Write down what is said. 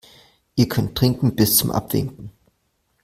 Ihr könnt trinken bis zum Abwinken.